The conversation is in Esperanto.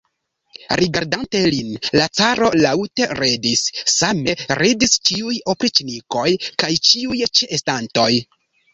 Rigardante lin, la caro laŭte ridis, same ridis ĉiuj opriĉnikoj kaj ĉiuj ĉeestantoj.